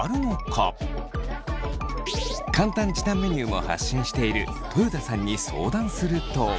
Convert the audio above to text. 簡単時短メニューも発信している豊田さんに相談すると。